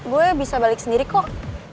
gue bisa balik sendiri kok